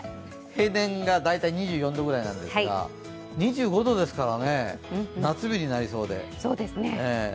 平年が大体２４度くらいなんですが、２５度ですからね夏日になりそうで。